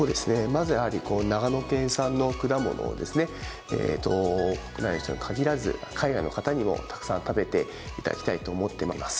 まずは長野県産の果物を国内の人に限らず、海外の方にもたくさん食べていただきたいと思っています。